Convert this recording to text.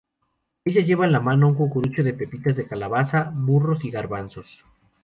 Ella lleva en la mano un cucurucho de pepitas de calabaza, burros y garbanzos.